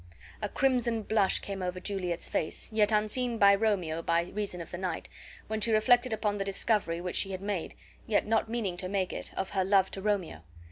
A crimson blush came over Juliet's face, yet unseen by Romeo by reason of the night, when she reflected upon the discovery which she had made, yet not meaning to make it, of her love to Romeo.